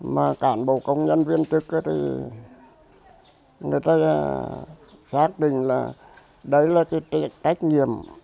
mà cản bộ công nhân viên tức thì người ta xác định là đấy là cái trách nhiệm